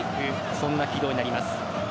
そんな軌道になります。